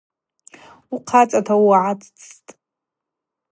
Ухъацӏата угӏацӏцӏтӏ.